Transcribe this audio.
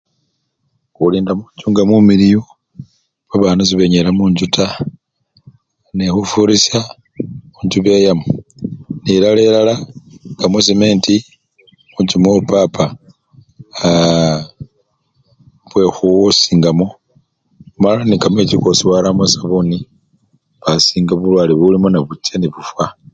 Khulinda munjju nga mumiliyu, babana sebenyayila munjju taa, nekhufurisya munjju beyamo nelalelala nga mwasementi, munjju mwowo papa aaa! khwe khusingamo mala nekamechi kosii waramo esabuni wasinga bulwale bulimo nebucha nebufwa.